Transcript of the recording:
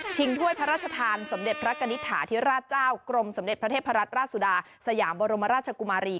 ถ้วยพระราชทานสมเด็จพระกณิตฐาธิราชเจ้ากรมสมเด็จพระเทพรัตนราชสุดาสยามบรมราชกุมารี